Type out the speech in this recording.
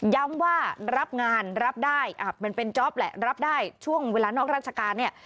ย้ำว่ารับงานรับได้มันเป็นจ๊อปแหละรับได้ช่วงเวลานอกราชการเนี่ย